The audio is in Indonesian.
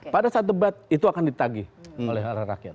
pada saat debat itu akan ditagih oleh rakyat